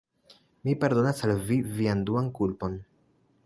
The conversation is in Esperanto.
Mi pardonas al vi vian duan kulpon.